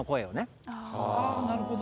なるほど。